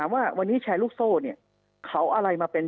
วันนี้ชายลูกโซ่เขาอะไรมาเป็น